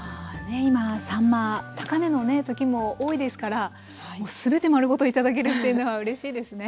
今さんま高値の時も多いですからもう全て丸ごと頂けるっていうのはうれしいですね。